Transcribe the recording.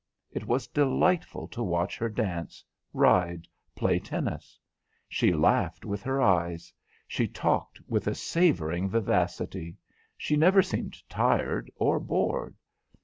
It was delightful to watch her dance, ride, play tennis. She laughed with her eyes; she talked with a savouring vivacity. She never seemed tired or bored.